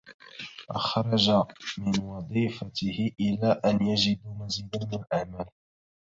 أخرج من وظيفته إلى أن يجدوا مزيدا من الأعمال.